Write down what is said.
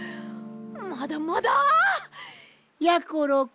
まだまだ！やころくん。